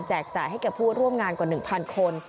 จ่ายให้แก่ผู้ร่วมงานกว่า๑๐๐คน